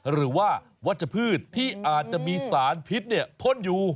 หรือว่าวัชพืชที่อาจจะมีสารพิษพ่นอยู่